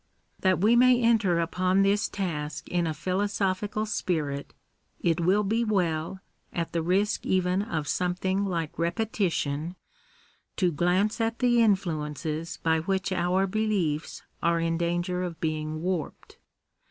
That we may enter upon this task in a philosophical spirit, Digitized by VjOOQIC 176 THE RIGHTS OF CHILDREN. it will be well, at the risk even of something like repetition, to glance at the influences by which our beliefs are in danger of being warped.